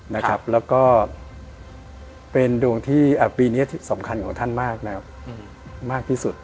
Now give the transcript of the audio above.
แล้วก็เป็นดวงที่ปีนี้สำคัญของท่านมากนะครับมากที่สุด